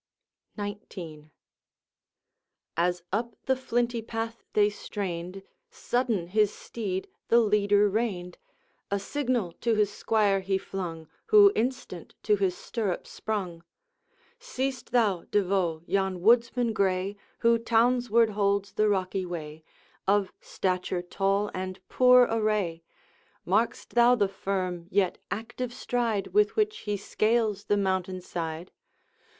XIX. As up the flinty path they strained, Sudden his steed the leader reined; A signal to his squire he flung, Who instant to his stirrup sprung: 'Seest thou, De Vaux, yon woodsman gray, Who townward holds the rocky way, Of stature tall and poor array? Mark'st thou the firm, yet active stride, With which he scales the mountain side?